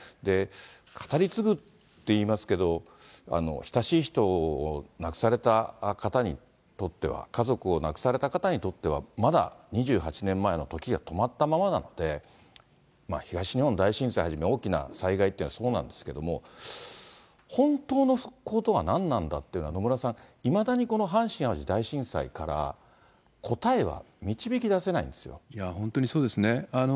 語り継ぐっていいますけど、親しい人を亡くされた方にとっては、家族を亡くされた方にとっては、まだ２８年前の時が止まったままなので、東日本大震災はじめ、大きな災害っていうのはそうなんですけども、本当の復興とは何なんだっていうのは、野村さん、いまだに阪神・淡路大震災から、いや、本当にそうですね。